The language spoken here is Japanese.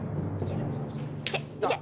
いけ！